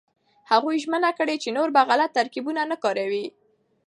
هغوی ژمنه کړې چې نور به غلط ترکيبونه نه کاروي.